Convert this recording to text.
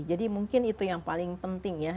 jadi mungkin itu yang paling penting ya